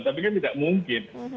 tapi kan tidak mungkin